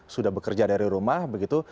sudah bekerja dari rumah begitu